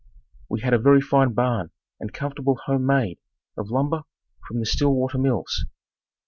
We had a very fine barn and comfortable home made of lumber from the Stillwater Mills.